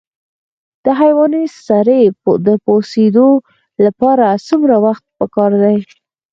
د حیواني سرې د پوسیدو لپاره څومره وخت پکار دی؟